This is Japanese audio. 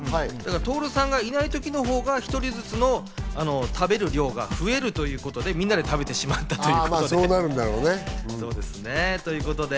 徹さんがいない時のほうが１人ずつの食べる量が増えるということで、みんなで食べてしまったという。